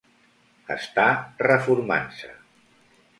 Està reformant-se.